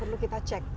jadi perlu kita cek